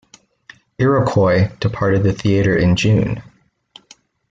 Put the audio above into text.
"Iroquois" departed the theatre in June.